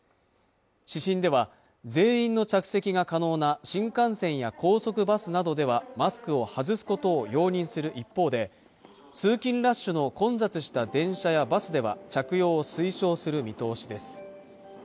指針では全員の着席が可能な新幹線や高速バスなどではマスクを外すことを容認する一方で通勤ラッシュの混雑した電車やバスでは着用を推奨する見通しです